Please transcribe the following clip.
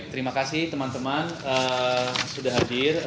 terima kasih teman teman sudah hadir